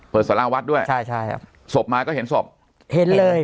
สาราวัดด้วยใช่ใช่ครับศพมาก็เห็นศพเห็นเลย